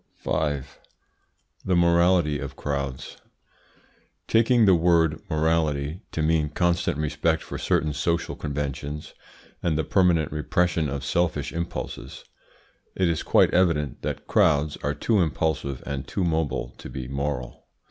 5. THE MORALITY OF CROWDS. Taking the word "morality" to mean constant respect for certain social conventions, and the permanent repression of selfish impulses, it is quite evident that crowds are too impulsive and too mobile to be moral.